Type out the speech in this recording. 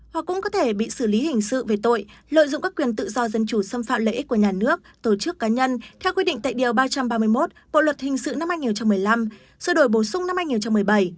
hoặc cũng có thể bị xử lý hình sự về tội lợi dụng các quyền tự do dân chủ xâm phạm lợi ích của nhà nước tổ chức cá nhân theo quy định tại điều ba trăm ba mươi một bộ luật hình sự năm hai nghìn một mươi năm sự đổi bổ sung năm hai nghìn một mươi bảy